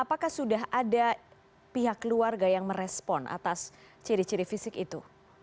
apakah sudah ada pihak keluarga yang merespon atas ciri ciri fisik itu